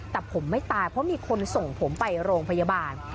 แต่ผมไม่ตายเพราะมีคนส่งผมไปโรงพยาบาล